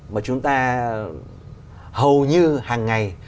mà chúng ta hầu như hàng ngày